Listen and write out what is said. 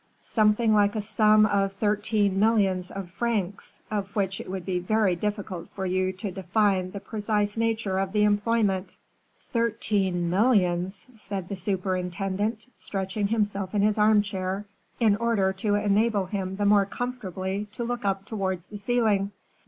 "Something like a sum of thirteen millions of francs, of which it would be very difficult for you to define the precise nature of the employment." "Thirteen millions!" said the superintendent, stretching himself in his armchair, in order to enable him the more comfortably to look up towards the ceiling.